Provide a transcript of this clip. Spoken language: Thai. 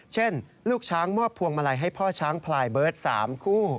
ลูกช้างมอบพวงมาลัยให้พ่อช้างพลายเบิร์ต๓คู่